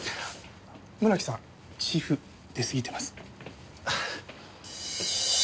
村木さんチーフ出すぎてます。